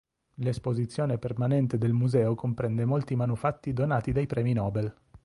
L'esposizione permanente del museo comprende molti manufatti donati dai premi Nobel.